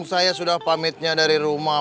saya sudah pamitnya dari rumah